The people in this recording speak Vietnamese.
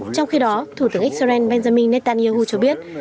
trong khi đó thủ tướng israel benjamin netanyahu cho biết